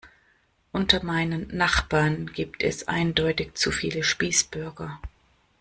Unter meinen Nachbarn gibt es eindeutig zu viele Spießbürger.